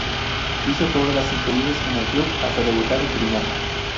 Hizo todas las inferiores en el club hasta debutar en Primera.